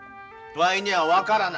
わいには分からな。